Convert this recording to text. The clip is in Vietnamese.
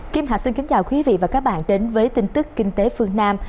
kim thạch xin kính chào quý vị và các bạn đến với tin tức kinh tế phương nam